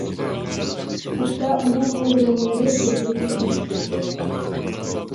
ھەتتا ئۇنىڭ قوۋۇرغىلىرى بىر-بىرىگە كىرىشىپ كېتىدۇ.